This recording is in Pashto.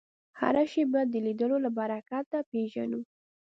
هره شېبه د لیدلو له برکته پېژنو